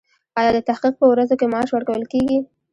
ایا د تحقیق په ورځو کې معاش ورکول کیږي؟